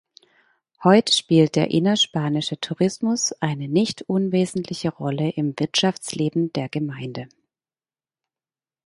Heute spielt der innerspanische Tourismus eine nicht unwesentliche Rolle im Wirtschaftsleben der Gemeinde.